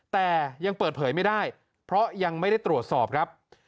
แต่ยังเปิดเผยไม่ได้เพราะยังไม่ได้ตรวจสอบครับ